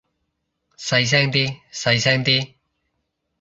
細聲啲，細聲啲